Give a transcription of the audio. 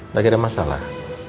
lagi ada masalah